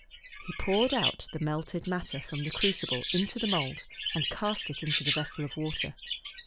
He poured out the melted matter from the crucible into the mould and cast it into the vessel of water.